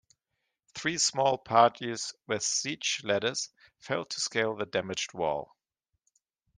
Three small parties with siege ladders failed to scale the damaged wall.